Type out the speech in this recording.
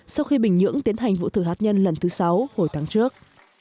sau khi bình nhưỡng tiến hành vụ thử hạt nhân lần thứ sáu hồi tháng trước